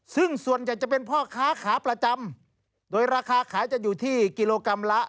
ซึ่งส่วนใหญ่จะเป็นพ่อค้าขาประจำโดยราคาขายจะอยู่ที่กิโลกรัมละ